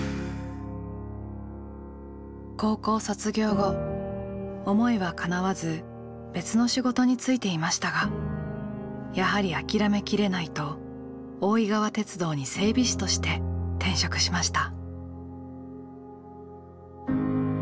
高校卒業後思いはかなわず別の仕事に就いていましたがやはり諦めきれないと大井川鉄道に整備士として転職しました。